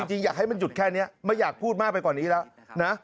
จริงอยากให้มันหยุดแค่นี้ไม่อยากพูดมากไปกว่านี้แล้วนะ